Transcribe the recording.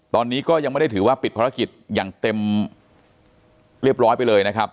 ตอนนี้ก็ยังไม่ได้ถือว่าปิดภารกิจอย่างเต็มเรียบร้อยไปเลยนะครับ